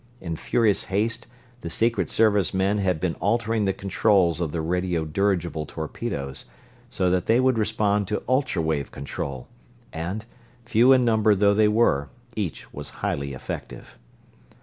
In furious haste the Secret Service men had been altering the controls of the radio dirigible torpedoes, so that they would respond to ultra wave control; and, few in number though they were, each was highly effective.